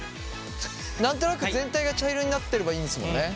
何となく全体が茶色になってればいいんですもんね。